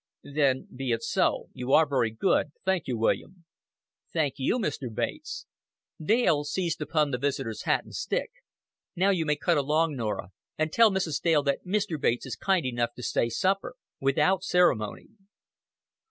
"Then be it so. You are very good. Thank you, William." "Thank you, Mr. Bates." Dale seized upon the visitor's hat and stick. "Now you may cut along, Norah, and tell Mrs. Dale that Mr. Bates is kind enough to stay supper without ceremony."